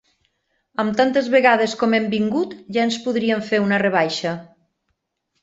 Amb tantes vegades com hem vingut, ja ens podrien fer una rebaixa.